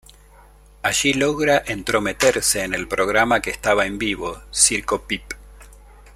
Allí logra entrometerse en el programa que estaba en vivo, "Circo Pip".